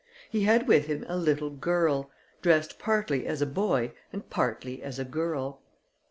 He had with him a little girl, dressed partly as a boy and partly as a girl.